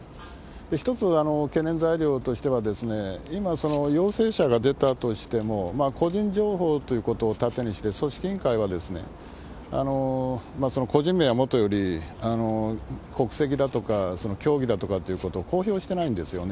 一つ懸念材料としては、今、陽性者が出たとしても、個人情報ということを盾にして、組織委員会は、その個人名はもとより、国籍だとか競技だとかっていうことを公表してないんですよね。